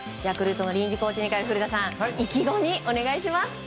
ヤクルトの臨時コーチに古田さん意気込みをお願いします。